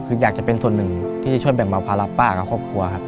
คืออยากจะเป็นส่วนหนึ่งที่จะช่วยแบ่งเบาภาระป้ากับครอบครัวครับ